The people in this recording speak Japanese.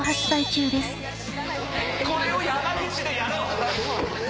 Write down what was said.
これを山口でやろう！